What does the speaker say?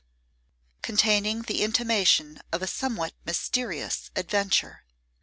Containing the Intimation of a Somewhat Mysterious Adventure.